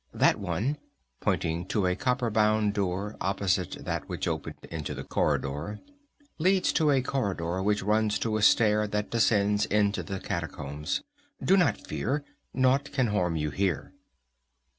"That one" pointing to a copper bound door opposite that which opened into the corridor "leads to a corridor which runs to a stair that descends into the catacombs. Do not fear; naught can harm you here."